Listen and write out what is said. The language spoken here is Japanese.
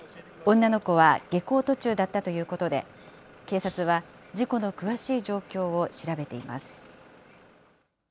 女の子は、下校途中だったということで、警察は事故の詳しい状況を調べています。